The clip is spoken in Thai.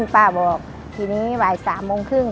ป้าบอกทีนี้บ่าย๓โมงครึ่ง